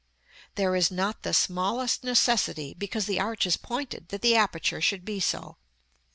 There is not the smallest necessity, because the arch is pointed, that the aperture should be so.